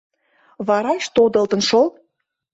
Вараш тодылтын шол.